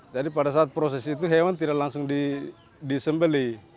jadi pada saat proses itu hewan tidak langsung disembeli